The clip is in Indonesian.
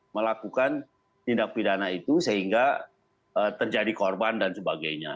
melakukan tindak pidana itu sehingga terjadi korban dan sebagainya